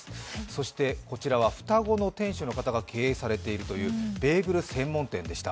そしてこちらは双子の店主の方が経営されているというベーグル専門店でした。